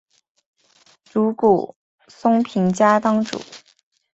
竹谷松平家当主。